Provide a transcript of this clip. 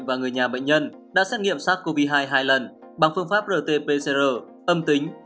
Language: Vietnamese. và người nhà bệnh nhân đã xét nghiệm sars cov hai hai lần bằng phương pháp rt pcr âm tính